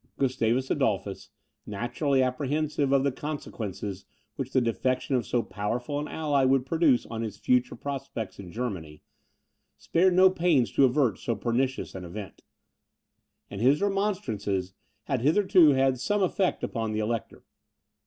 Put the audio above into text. Gustavus Adolphus, naturally apprehensive of the consequences which the defection of so powerful an ally would produce on his future prospects in Germany, spared no pains to avert so pernicious an event; and his remonstrances had hitherto had some effect upon the Elector.